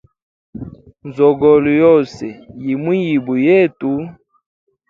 Nzogolo yose yi mwilimbo yetu.